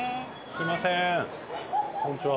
すみません。